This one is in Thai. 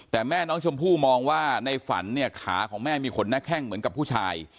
แต่แม่น้องชมพู่มองว่าในฝันเนี่ยขาของแม่มีขนหน้าแข้งเหมือนกับผู้ชาย